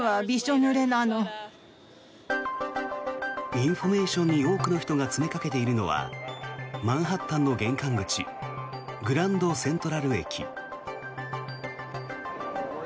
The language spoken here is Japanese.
インフォメーションに多くの人が詰めかけているのはマンハッタンの玄関口グランドセントラル駅。